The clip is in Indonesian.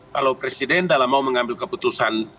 kalau presiden dalam mau mengambil keputusan